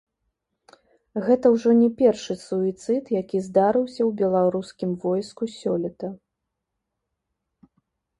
Гэта ўжо не першы суіцыд, які здарыўся ў беларускім войску сёлета.